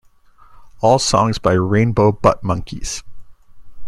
All songs by Rainbow Butt Monkeys.